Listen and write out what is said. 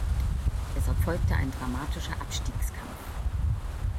Es folgte ein dramatischer Abstiegskampf.